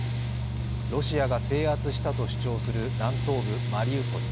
ロシアが制圧したと主張する南東部マリウポリ。